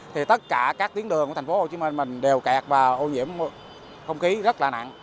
thì tất cả các tuyến đường của tp hcm mình đều kẹt và ô nhiễm không khí rất là nặng